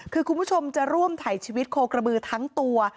คือคุณผู้ชมจะร่วมถ่ายชีวิตโคกระบือทั้งตัว